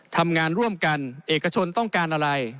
ทำงานร่วมกันเอกชนต้องการอะไร